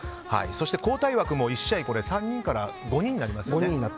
そして交代枠も１試合３人から５人になりますよね。